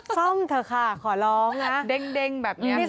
ซ่อมเถอะค่ะ